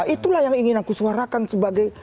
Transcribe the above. itulah yang ingin aku suarakan sebagai